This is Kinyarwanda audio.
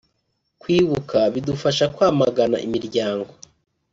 Kwibuka bidufasha kwamagana imiryango